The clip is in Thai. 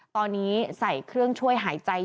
ตอนนี้ใส่เครื่องช่วยหายใจ